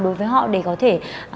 đối với họ để có thể